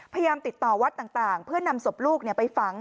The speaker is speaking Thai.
พยายามติดต่อวัดต่างเพื่อนำศพลูกไปฝัง